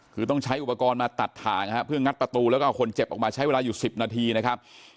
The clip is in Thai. คือต้องใช้อุปกรณ์มาตัดถ่างเพื่องัดประตูแล้วก็เอาคนเจ็บออกมาใช้เวลาอยู่๑๐นาทีนะครับ